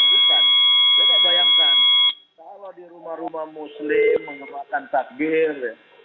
bisa kita bayangkan kalau di rumah rumah muslim mengembangkan takbir